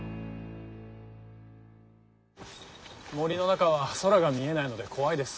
森の中は空が見えないので怖いです。